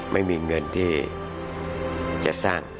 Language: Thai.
ไม่มีเงินที่จะสร้าง